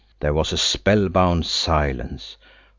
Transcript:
There was a spellbound silence.